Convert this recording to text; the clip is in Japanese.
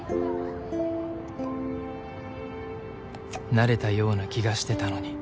なれたような気がしてたのに。